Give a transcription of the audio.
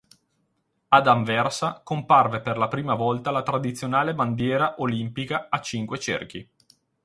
Ad Anversa comparve per la prima volta la tradizionale bandiera olimpica a cinque cerchi.